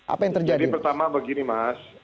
apa yang terjadi pertama begini mas